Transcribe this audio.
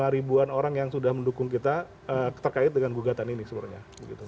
ribuan orang yang sudah mendukung kita terkait dengan gugatan ini sebenarnya